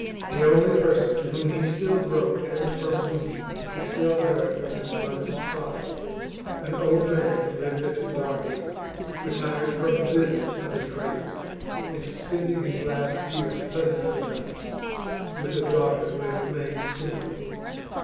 The only person to whom he still wrote and from whom he still heard was his mother's father an old man who lived at Derby, retired from the business of a draper, and spending his last years pleasantly enough with a daughter who had remained single.